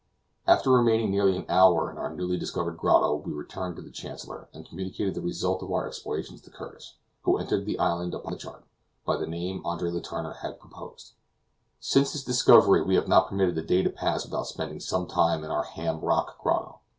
After remaining nearly an hour in our newly discovered grotto we returned to the Chancellor, and communicated the result of our explorations to Curtis, who entered the island upon his chart, by the name Andre Letourneur had proposed. Since its discovery we have not permitted a day to pass without spending some time in our Ham Rock grotto.